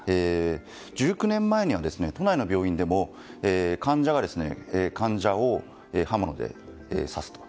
１９年前には都内の病院でも患者が患者を刃物で刺すと。